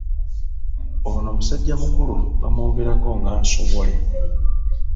Ono musajja mukulu bamwogerako nga Nsowole.